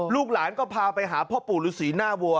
ลูกหลานก็พาไปหาพ่อปู่ฤษีหน้าวัว